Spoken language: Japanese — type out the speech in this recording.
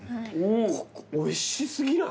ここおいし過ぎない？